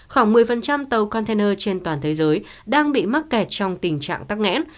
khoảng một mươi tàu container trên toàn thế giới đang bị mắc kẹt trong tình trạng tắc nghẽn